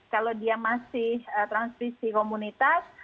kalau dia masih transmisi komunitas